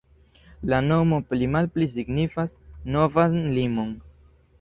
La nomo pli-malpli signifas "novan limon".